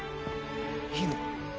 いいの？